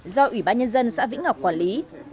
do ủy ban nhân dân xã vĩnh ngọc quản lý